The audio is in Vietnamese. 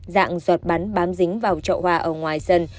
dạng giọt bắn bám bám dính vào trậu hoa ở ngoài sân